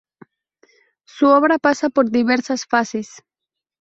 Su obra pasa por diversas fases.